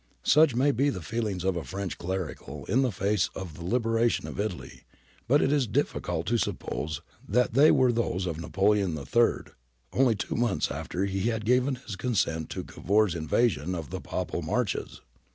^ Such may be the feelings of a French Clerical in face of the Liberation of Italy, but it is difficult to suppose that they were those of Napoleon III onlv two months after he had given his consent to Cavour's invasion of the Papal Marches.